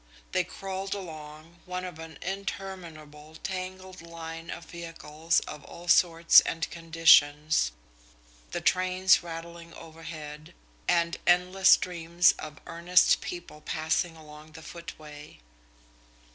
They crawled along, one of an interminable, tangled line of vehicles of all sorts and conditions, the trains rattling overhead, and endless streams of earnest people passing along the footway.